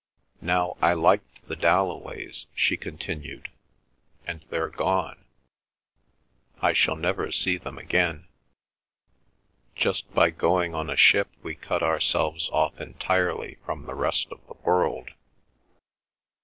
Now I liked the Dalloways," she continued, "and they're gone. I shall never see them again. Just by going on a ship we cut ourselves off entirely from the rest of the world.